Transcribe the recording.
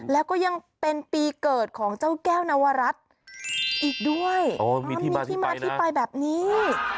แล้วก็ยังเป็นปีเกิดของเจ้าแก้วนวรัฐอีกด้วยเพราะมีที่มาที่ไปแบบนี้